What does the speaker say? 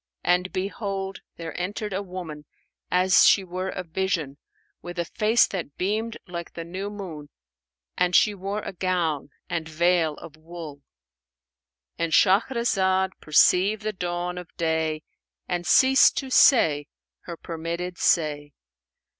And behold, there entered a woman, as she were a vision, with a face that beamed like the new moon; and she wore a gown and veil of wool." And Shahrazad perceived the dawn of day and ceased to say her permitted say.